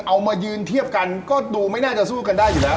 เอามายืนเทียบกันก็ดูไม่น่าจะสู้กันได้อยู่แล้ว